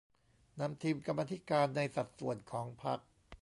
นำทีมกรรมาธิการในสัดส่วนของพรรค